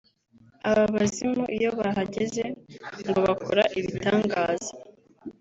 Aba bazimu iyo bahageze ngo bakora ibitangaza